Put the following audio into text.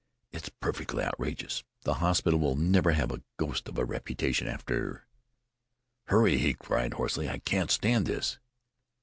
It's perfectly outrageous! The hospital will never have a ghost of a reputation after " "Hurry!" he cried hoarsely. "I can't stand this!"